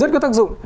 rất có tác dụng